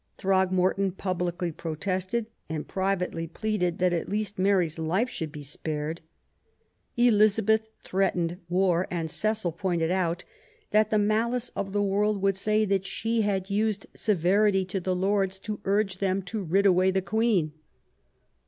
Throgmorton publicly protested, and privately pleaded that, at least, Mary's life should be spared. Elizabeth threatened war, and Cecil pointed out that "the malice of the world would say that she had used severity to the Lords to urge them to rid away the Queen